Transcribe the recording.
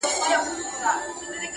• که پر در دي د یار دغه سوال قبلېږي.